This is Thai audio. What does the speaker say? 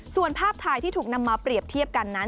ส่วนภาพถ่ายที่ถูกนำมาเปรียบเทียบกันนั้น